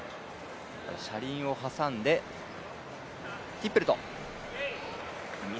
車輪を挟んで、ティッペルト。